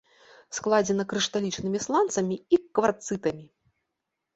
Складзена крышталічнымі сланцамі і кварцытамі.